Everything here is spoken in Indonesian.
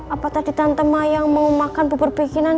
apa tadi tante mayang mau makan bubur bikinan